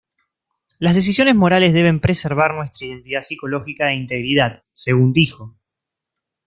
Las decisiones morales deben preservar nuestra identidad psicológica e integridad, según dijo.